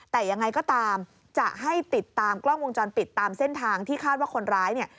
แต่ยังไงก็ตามจะให้ติดตามกล้องวงจรปิดตามเส้นทางที่คาดว่าคนร้ายเนี่ย